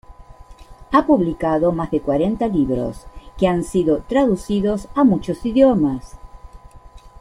Ha publicado más de cuarenta libros, que han sido traducidos a muchos idiomas.